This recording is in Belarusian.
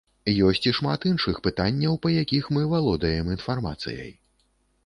Ёсць і шмат іншых пытанняў, па якіх мы валодаем інфармацыяй.